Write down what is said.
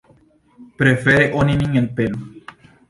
Prefere oni min elpelu.